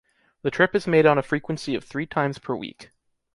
The trip is made on a frequency of three times per week.